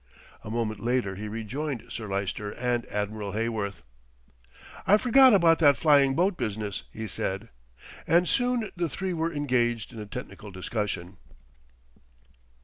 A moment later he rejoined Sir Lyster and Admiral Heyworth. "I forgot about that flying boat business," he said, and soon the three were engaged in a technical discussion.